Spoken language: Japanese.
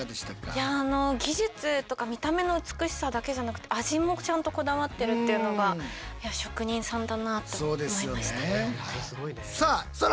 いや技術とか見た目の美しさだけじゃなくて味もちゃんとこだわってるっていうのがいや職人さんだなあと思いました。